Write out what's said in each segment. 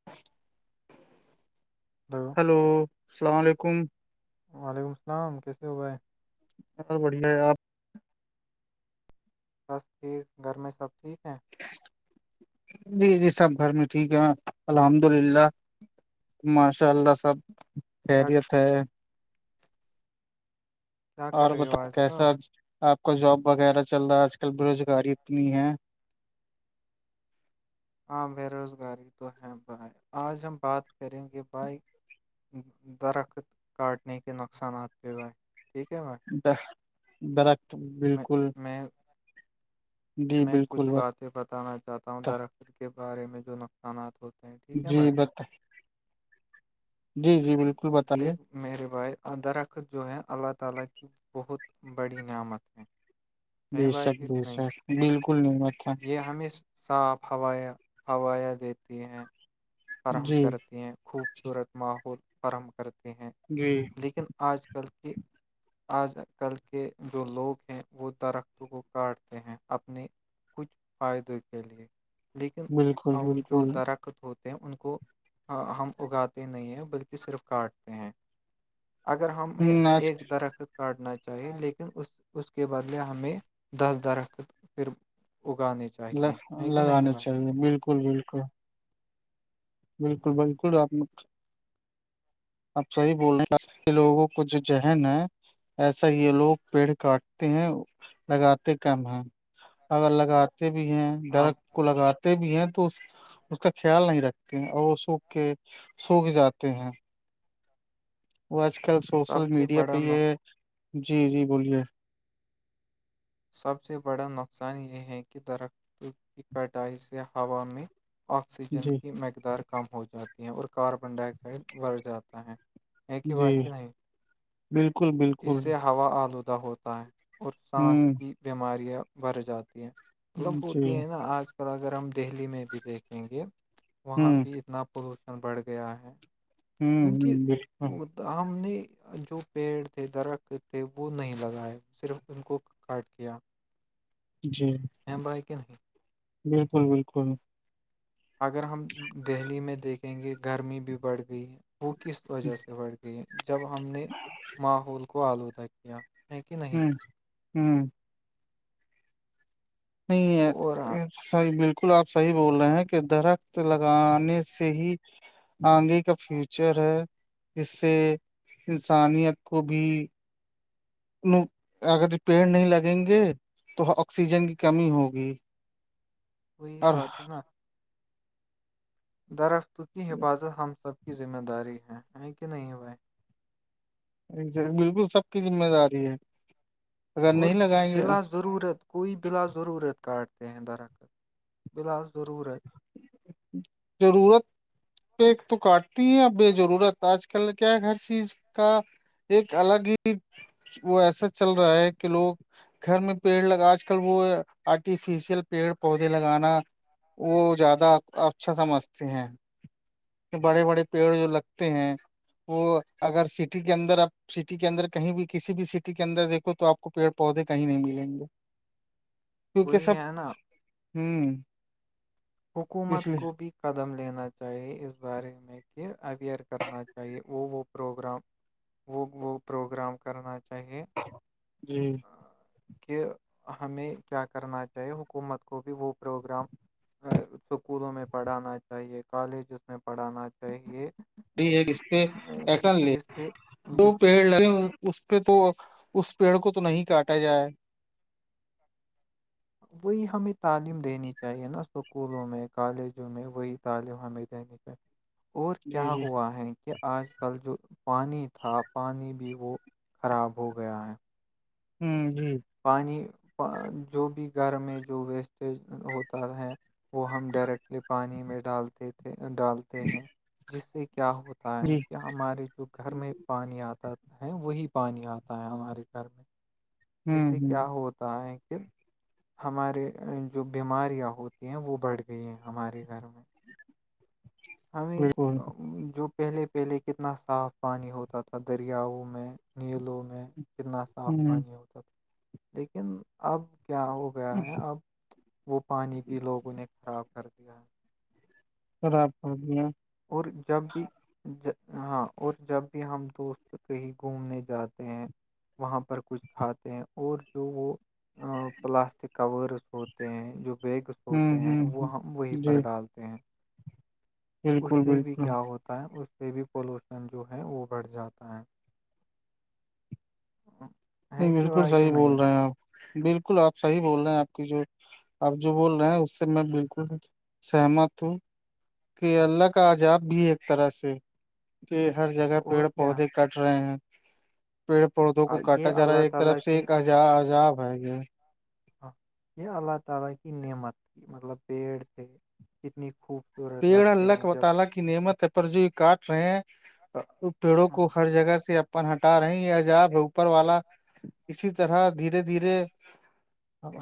وو hello hello السلام علیکم وعلیکم السلام کیسے ہو بھائی بہت بڑھیا آپ بس ٹھیک گھر میں سب ٹھیک ہیں جی جی سب گھر میں ٹھیک ہے الحمد للہ ماشاء اللہ سب کیا خیریت ہے کیا اور کر رہے بت ہو آج کل کیسا آپ کو جاب وغیرہ چل رہا ہے آج کل بےروزگاری اتنی ہے عام بے روزگاری تو ہے بائی آج ہم بات کریں گے بائک درخت کاٹنے کے نقصانات پہ ہو ہے ٹھیک ہے بھائی درخت میں بالکل میں جی بالکل سے بتانا چاہتا ہوں بتا درخت کے بارے میں جو نقصانات ہوتے ہیں ٹھیک ہے جی بھائی بتا جی جی بالکل بتائیے دیکھ میرے بھائی اندر رکھ جو ہے اللہ تعالی بہت بڑی نعمت ہیں بے شک بے شک بالکل نہیں تھا یہ ہمیں صاف ہوائیاں ہوائیاں دیتی ہیں فراہم جی کرتی ہیں خوبصورت ماحول فراہم کرتے ہیں جی لیکن آج کل کی آج کل کے جو لوگ ہیں وہ درختوں کو کاٹتے ہیں اپنی کچھ فائدے کے لئے لیکن بالکل اب جو بالکل درخت ہوتے ہیں ان کو ہم اگاتے نہیں ہیں بلکہ صرف کاٹتے ہیں اگر ہمیں ناچ ایک درخت کاٹنا چاہیے لیکن اس اس کے بدلے ہمیں دس درخت پھر اگانے ج ل لگانے چاہیے بالکل بالکل بالکل بالکل آپ اب سحیح بول رہے لوگوں کو جو ذہن ہے ایسا یہ لوگ پیڑ کاٹتے ہیں لگاتے کم ہیں اگر لگاتے بھی ہیں ہاں درخت کو لگاتے بھی ہیں تو اس اس کا خیال نہیں رکھتے ہیں اور وہ سوکھ کے سوکھ جاتے ہیں وہ آج کل سب سوشل سے میڈیا پہ بڑا یہ نق جی جی بولیے سب سے بڑا نقصان یہ ہے کہ درختوں کی کٹائی سے ہوا میں آکسیجن جی کی مقدار کم ہو جاتی ہے اور کاربن ڈائی آکسائڈ بڑھ جاتا ہے یہ کہ ب جی ہے کہ نہیں بالکل بالکل اس سے ہوا آلودہ ہوتا ہے اور سانس ہوں کی بیماریاں بڑھ جاتی ہیں مطلب جی ہوتی ہوں ہے نا آج کل اگر ہم دہلی میں بھی دیکھیں گے وہاں ہوں بھی اتنا پولوشن بڑھ گیا ہے ہ کیونکہ بالکل ہم نے جو پیڑ تھے درخت تھے وہ نہیں لگائے صرف ان کو کاٹ کیا جی ہمم بائےیکن نہیں ہی بالکل بالکل اگر ہم دہلی میں دیکھیں گے گرمی بھی بڑھ گئی ہے وہ کس وجہ سے بڑھ گئی گئی جب ہم نے ماحول کو آلودہ کیا ہے کہ نہیں ہوں ہوں نہیں اور ہے صحیح بالکل آپ صحیح بول رہے ہیں کہ درخت لگانے سے ہی آنگے کا فیوچر ہے اس سے انسانیت کو بھی اگر پیڑ نہیں لگیں گے تو آکسیجن کی کمی ہوگی وہی اور بات ہے نا درخت کی حفاظت ہم سب کی ذمہ داری ہے ہے کہ نہیں بھائی بالکل سب کی ذمہ داری ہے اگر اور نہیں لگائیں گے بلاس ضرورت کوئی بلا ضرورت کاٹتے ہیں درخکت بلا ضرورت ضرورت پ تو کاٹتی ہیں اب بے ضرورت آج کل کیا ہر چیز کا ایک الگ ہی وہ ایسا چل رہا ہے کہ لوگ گھر میں پیڑ لگ آج کل وہ آرٹیفیشیل پیڑ پودے لگانا وہ زیادہ اچھا سمجھتے ہیں کہ بڑے بڑے پیڑ جو لگتے ہیں وہ اگر سٹی کے اندر اب سٹی کے اندر کہیں بھی کسی بھی سٹی کے اندر دیکھو تو آ کو پیڑ پودے کہیں نہیں ملیں گے کیونکہ وہی سب ہے نا ہوں اس حکومت لیے کو بھی قدم لینا چاہیے اس بارے میں کہ اویئر کرنا چاہیے وہ وہ پروگرام وہ وہ پروگرام کرنا چاہیے جی کہ ہمیں کیا کرنا چاہیے حکومت کو بھی وہ پروگرام اسکولوں میں پڑھانا چاہیے کالجز میں پڑھانا چاہیے ہے جس پہ کہ ایکشن لے جس سے دو جس پیڑ لگ اس پہ تو اس پیڑ کو تو نہیں کاٹا جائے وہی ہمیں تعلیم دینی چاہیے نا اسکولوں میں کالجوں میں وہی تعلیم ہمیں دینی چاہیے اور جی کیا جی ہوا ہے کہ آج کل جو پانی تھا پانی بھی وہ خراب ہو گیا ہے ہوں جی پانی جو بھی گھر میں جو ویسٹیج ہوتا ہے وہ ہم ڈائریکٹلی پانی میں ڈالتے تھے ڈالتے ہیں جس سے کیا ہوتا جی ہے کہ ہمارے جو گھر میں پانی آتا ہے وہی پانی آتا ہے ہمارے گھر میں ہ جس سے ہ کیا ہوتا ہے کہ ہمارے جو بیماریاں ہوتی ہیں وہ بڑھ گئی ہیں ہمارے گھر میں ہمیں بالکل جو پہلے پہلے کتنا صاف پانی ہوتا تھا دریاؤں میں نیلوں میں کتنا صاف ہ پانی ہوتا تھا لیکن اب کیا ہو گیا ہے اب وہ پانی بھی لوگوں نے خراب کر دیا ہے خراب ہوڑ دیا اور جب بھی ج ہاں اور جب بھی ہم دوست کہیں گھومنے جاتے ہیں وہاں پر کچھ کھاتے ہیں اور جو وہ پلاسٹک کورس ہوتے ہیں جو بیگس ہوں ہوتے ہیں ہوں ہ وہ ہم وہی جی پر ڈالتے کہ اس بالکل سے بھی بالکل کیا ہوتا ہے اس سے بھی پولوشن جو ہے وہ بڑھ جاتا ہے ہاں نہیں بالکل صحیح بول رہے ہیں آپ بالکل آپ صحیح بول رہے ہیں آپ کی جو آپ جو بول رہے ہیں اس سے میں بالکل سہمت ہوں کہ اللہ کا عجاب بھی ایک طرح سے کہ ہر جگہ اور پیڑ کیا پودے کٹ رہے ہیں پیڑ پودوں کو آ، کٹ یہ اللہ تعالی کی ع عجاب ہے گیا یہ اللہ تعالی کی نعمت تھی مطلب پیڑ تھے کتنی خوبصور پیڑا لک و تعالی کی نعمت ہے پر جو یہ کاٹ رہے ہیں پیڑوں کو ہاں ہر جگہ سے ہٹا رہے ہیں یہ عجاب ہے اوپر والا اسی طرح دھیرے دھیرے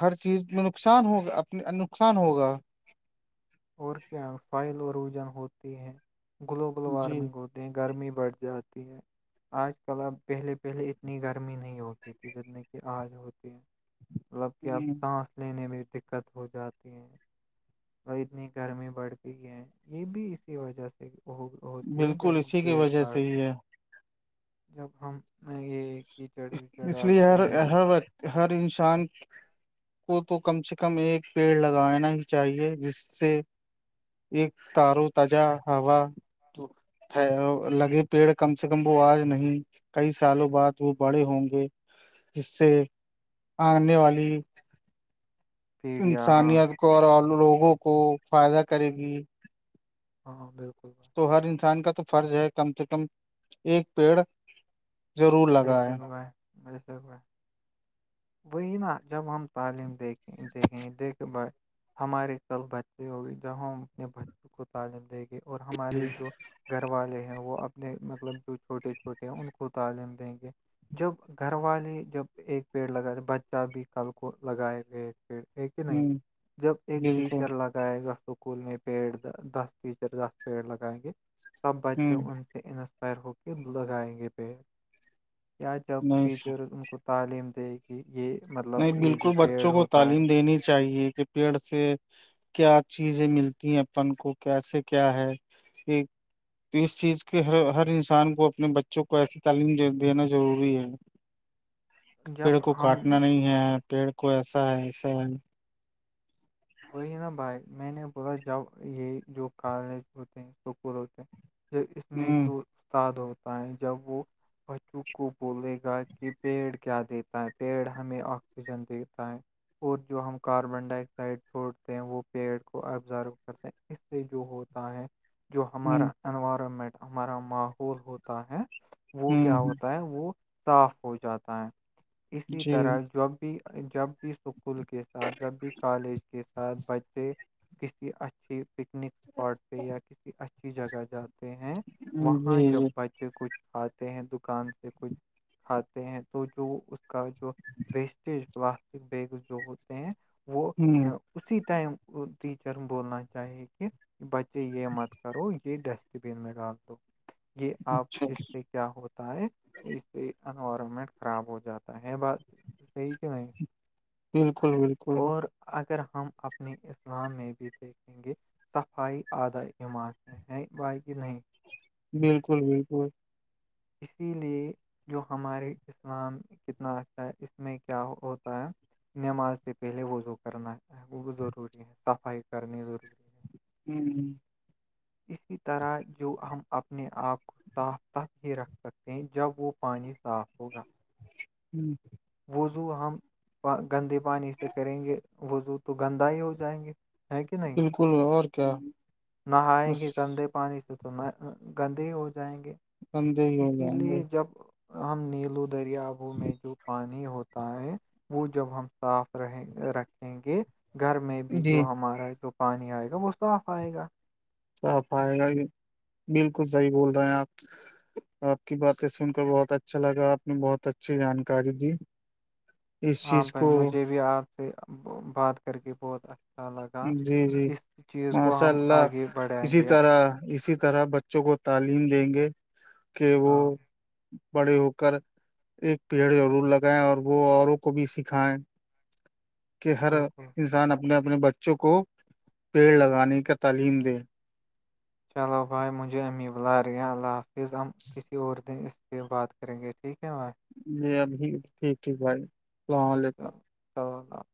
ہر چیز میں نقصان ہوگا اپ نقصان ہوگا اور کیا فائل اوروجن ہوتے ہیں گلوبل جی وارمنگ ہوتی گرمی بڑھ جاتی ہے آج کل اب پہلے پہلے اتنی گرمی نہیں ہوتی تھی جتنے کہ آج ہوتی ہے مطلب کہ اب ہوں سانس لینے میں دقت ہو جاتی ہے اور اتنی گرمی بڑھ گئی ہے یہ بھی اسی وجہ سے ہو ہوتی ہیں بالکل جب ہم اسی کی پیڑ وجہ سے کاڑتے ہی ہیں ہے جب ہم یہ کیچڑ وچڑ اس لیے ڈالتے ہر ہیں اس ہر وقت ہر انسان کو تو کم سے کم ایک پیڑ لگانا ہی چاہیے جس سے ایک تارو تجا ہوا لگے پیڑ کم سے کم وہ آج نہیں کئی سالوں بعد وہ بڑے ہوں گے جس سے آگنے والی پیڑیا ہاں انسانیت کو اور لوگوں کو فائدہ کرے گی ہاں بالکل بھائی تو ہر انسان کا تو فرض ہے کم سے کم ایک پیڑ ضرور بے لگا ہے شک بھائی بے شک بھائی وہی نا جب ہم تعلیم دیکھیں دیکھیں گ دیکھ ب ہماریے کل بچے ہوگی جب ہم اپنے بچوں کو تعلیم دیں گے اور ہماراری جی جو گھر والے ہیں وہ اپنے مطلب جو چھوٹے چھوٹے ہیں ان کو تعلیم دیں گے جب گھر والے جب ایک پیڑ لگات تھے بچہ بھی کل کو لگائے گئے تھ پڑ ایک ہی نہیں ہوں جب ایک بالکل ٹیچر ل کے گائے گا اسکول میں پیڑ دس ٹیچر دس پیڑ لگائیں گے سب بچے ہوں ان سے انسپائر ہو کے لگائیں گے پیڑ یا جب نہیں ٹیچر ان کو تعلیم دے کہ یہ مطلب نہیں یہ جو بالکل پیڑ بچوں کو ہوتا تعلیم دینی چاہیے کہ پیڑ سے کیا چیزیں ملتی ہیں اپن کو کیسے کیا ہے ایک تو اس چیز کے ہر ہر انسان کو اپنے بچوں کو ایسی تعلیم دینا ضروری ہے [inaudible] ہے پیڑ جب کو ہم کاٹنا نہیں ہے پیڑ کو ایسا ہے ایسا ہے وہی نا بھائی میں نے بولا جب یہ جو کالج ہوتے ہیں سکول ہوتے جو اس میں ہوں جو استاد ہوتا ہے جب وہ بچوں کو بولے گا کہ پیڑ کیا دیتا ہے پیڑ ہمیں آکسیجن دیتا ہے اور جو ہم کاربن ڈائی آکسائڈ چھوڑتے ہیں وہ پیڑ کو ابزرو کرتے ہیں اس سے جو ہوتا ہے جو ہ ہمارا انوائرمنٹ ہمارا ماحول ہوتا ہے وہ ہوں کیا ہوتا ہے وہ صاف ہو جاتا ہے اسی جی طرح جب بھی جب بھی اسکول کے ساتھ جب بھی کالج کے ساتھ بچے کسی اچھی پکنک اسپاٹ پہ یا کسی اچھی جگہ جاتے ہیں وہاں جی جب جی بچے کچھ کھاتے ہیں دکان سے کچھ کھاتے ہیں تو جو اس کا جو ویسٹیج پلاسٹک بیگ جو ہوتے ہیں وہ ہ اسی ٹائم ٹیچر بولنا چاہیے کہ بچے یہ مت کرو یہ ڈسٹ بین میں ڈال دو یہ آپ اچھا اس سے کیا ہوتا ہے اس سے انوائرمنٹ خراب ہو جاتا ہے بات صحی کہ نہیں بالکل بالکل اور اگر ہم اپنی اسلام میں بھی دیکھیں گے صفائی آدھا ایمان ہے ہے بھالی کی نہیں بالکل بالکل اسی لیے جو ہماراریے اسلام کتنا اچھا ہے اس میں کیا ہوتا ہے نماز سے پہلے وضو کرنا وہ ضروری ہے صفائی کرنی ضروری ہے ہمم اسی طرح جو ہم اپنے آپ کو صاف تک ہی رکھ سکتے ہیں جب وہ پانی صاف ہوگا ہمم وضو ہم گندے پانی سے کریں گے وزوں تو گندا ہی ہو جائیں گے ہے کہ نہیں کل اور کیا نہائیں بس گے گندے پانی سے تو نہ گندے ہی ہو جائیں گے بندے ہی ہو اسی جائیں لیے گے جب ہم نیلو دریابو میں جو پان ہوتا ہے وہ جب ہم صاف رہیں رکھیں گے گھر میں بھی جی جو ہمارا جو پانی آئے گا وہ صاف آئے گا صاف آئے گا یہ بالکل صحیح بول رہے ہیں آپ آپ کی باتیں سن کر بہت اچھا لگا آپ نے بہت اچھی جانکاری دی اس ہاں چیز بھائی کو مجھے بھی آپ سے بات کر کے بہت ا جی جی ماشاء ہم اللہ آگے بڑھائیں اسی گے طرح اسی طرح بچوں کو تعلیم دیں گے کہ وہ ہاں بڑے ہو کر ایک پیڑ ضرور لگائےیں اور وہ اوروں کو بھی سکھائے کہ ہر بالکل انسان اپنے اپنے بچوں کو پیڑ لگانے کا تعلیم دے چلو بھائی مجھے امی بلا رہیا اللہ حافظ کسی اور دن اس پہ بات کریں گے ٹھیک ہے بھائی جی ابھی ٹھیک ٹھیک بھائی اللام علیکم آ أ